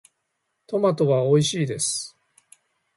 トマトはおいしいです。